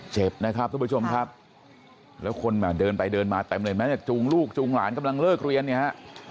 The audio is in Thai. เจ็บนะครับทุกผู้ชมครับแล้วคนมาเดินไปเดินมาเต็มเลยไหมเนี่ยจูงลูกจูงหลานกำลังเลิกเรียนเนี่ยฮะ